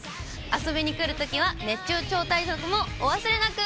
遊びに来るときは、熱中症対策もお忘れなく。